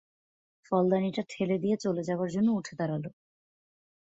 ফলদানিটা ঠেলে দিয়ে চলে যাবার জন্যে উঠে দাঁড়াল।